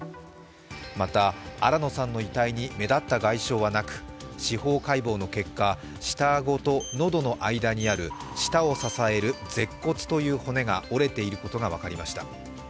また、新野さんの遺体に目立った外傷はなく、司法解剖の結果、下顎と喉の間にある舌を支える舌骨という骨が折れていることが分かりました。